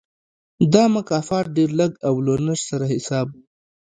دا مکافات ډېر لږ او له نشت سره حساب و.